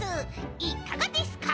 いかがですか？